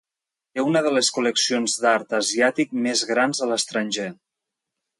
Té una de les col·leccions d'art asiàtic més grans de l'estranger.